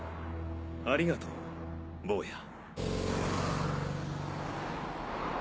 ありがとう坊や。